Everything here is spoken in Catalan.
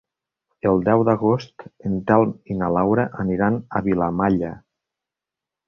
El deu d'agost en Telm i na Laura aniran a Vilamalla.